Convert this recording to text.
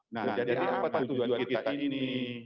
nah jadi apa tuh tujuan kita ini